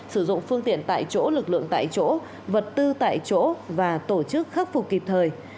sử dụng phương tiện tại chỗ lực lượng tại chỗ vật tư tại chỗ và tổ chức khắc phục kịp thời